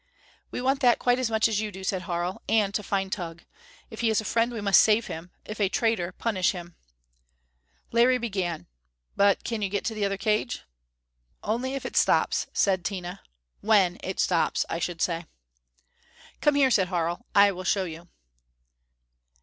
"We want that quite as much as you do," said Harl. "And to find Tugh. If he is a friend we must save him; if a traitor punish him." Larry began, "But can you get to the other cage?" "Only if it stops," said Tina. "When it stops, I should say." "Come here," said Harl. "I will show you."